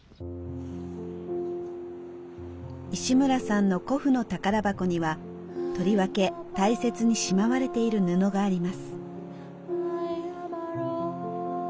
石村さんの古布の宝箱にはとりわけ大切にしまわれている布があります。